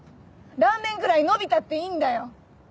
ラーメンぐらい伸びたっていいんだよ。